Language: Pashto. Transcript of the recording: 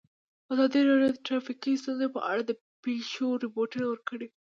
ازادي راډیو د ټرافیکي ستونزې په اړه د پېښو رپوټونه ورکړي.